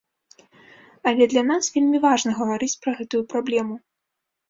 Але для нас вельмі важна гаварыць пра гэтую праблему.